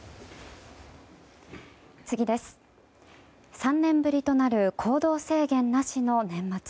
３年ぶりとなる行動制限なしの年末。